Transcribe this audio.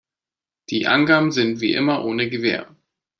Die Angaben sind wie immer ohne Gewähr.